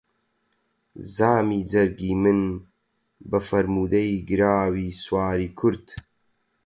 زامی جەرگی من بە فەرموودەی گراوی سواری کورد